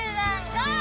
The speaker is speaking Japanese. ゴー！